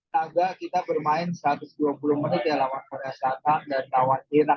tangga kita bermain satu ratus dua puluh menit ya lawan korea selatan dan lawan ina